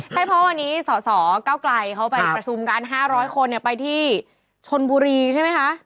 ใช่เพราะวันนี้สสเก้าไกลเขาไปประชุมกัน๕๐๐คนไปที่ชนบุรีใช่ไหมคะ